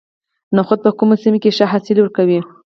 نخود په کومو سیمو کې ښه حاصل ورکوي؟